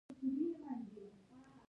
ایا زه باید مړ شم؟